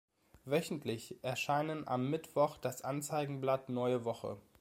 Wöchentlich erscheinen am Mittwoch das Anzeigenblatt Neue Woche.